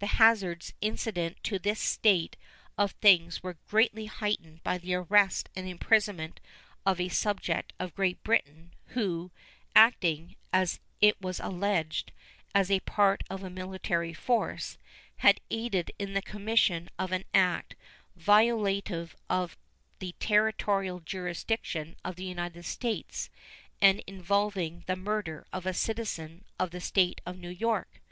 The hazards incident to this state of things were greatly heightened by the arrest and imprisonment of a subject of Great Britain, who, acting (as it was alleged) as a part of a military force, had aided in the commission of an act violative of the territorial jurisdiction of the United States and involving the murder of a citizen, of the State of New York.